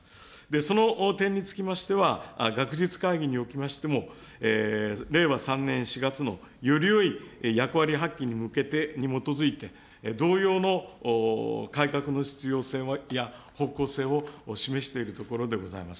その点につきましては、学術会議におきましても、令和３年４月の、よりよい役割発揮に向けてに基づいて、同様の改革の必要性や方向性を示しているところでございます。